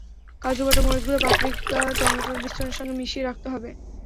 কাজু বাটা, মরিচ গুঁড়া, পাপরিকা টমেটোর মিশ্রণের সঙ্গে মিলিয়ে রাখতে হবে।